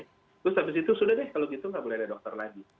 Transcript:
terus habis itu sudah deh kalau gitu nggak boleh ada dokter lagi